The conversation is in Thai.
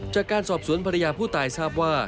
จากการสอบสวนภรรยาผู้ตายทราบว่า